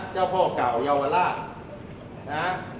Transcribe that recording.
มันเป็นสิ่งที่เราไม่รู้สึกว่า